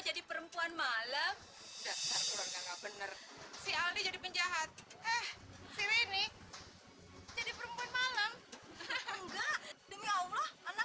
yap belum ya